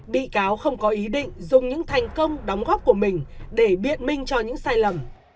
bị cáo không có ý định dùng những thành công đóng góp của mình để biện minh cho những sai lầm